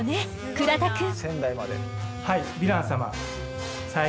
倉田くん。